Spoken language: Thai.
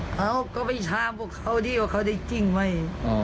เขาก็ไปถามพวกเขาดีว่าเขาได้จริงไหม